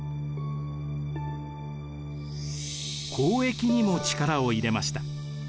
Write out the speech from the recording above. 交易にも力を入れました。